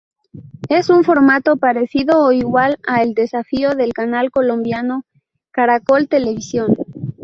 Es un formato parecido o igual al El Desafío del canal colombiano Caracol Televisión.